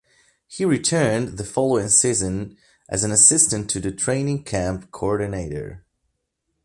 He returned the following season as an assistant to the training camp coordinator.